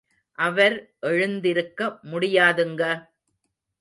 அவர் எழுந்திருக்க முடியாதுங்க.